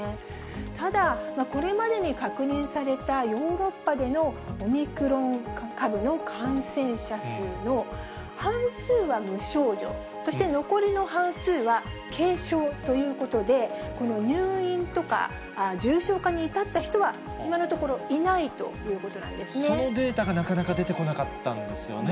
ただ、これまでに確認されたヨーロッパでのオミクロン株の感染者数の半数は無症状、そして残りの半数は軽症ということで、この入院とか重症化に至った人は、今のところいないということなんそのデータがなかなか出てこなかったんですよね。